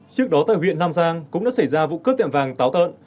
trước đó tại huyện nam giang cũng đã xảy ra vụ cướp tiệm vàng táo tợn